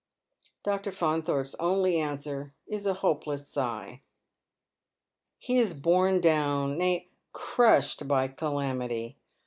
Dr. Faunthorpe's only answer is a hopeless sigh. He is born© down, nay, crushed, by calamity.